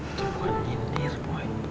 itu bukan indir boy